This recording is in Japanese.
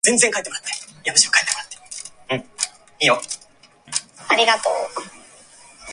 やがて彼はその手紙をポケットに入れ、部屋を出ると、小さな廊下を通って父の部屋へいった。もう何カ月かのあいだ、彼はその部屋へいったことがなかった。